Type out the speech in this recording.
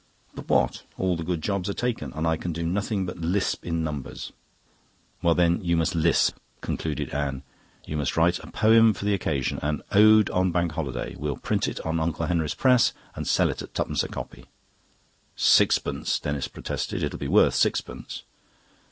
"But what? All the good jobs are taken, and I can do nothing but lisp in numbers." "Well, then, you must lisp," concluded Anne. "You must write a poem for the occasion an 'Ode on Bank Holiday.' We'll print it on Uncle Henry's press and sell it at twopence a copy." "Sixpence," Denis protested. "It'll be worth sixpence."